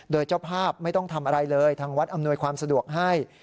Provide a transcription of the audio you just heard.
โดยเจ้าภาพไม่ต้องทำอะไรเลยทางวัดอำนวยความสะดวกให้